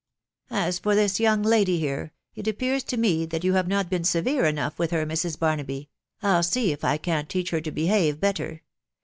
As for this young lady here, it appears to me that you have not been severe enough with her, Mrs. Barnaby. ..• I'll see if I can't teach her to behave better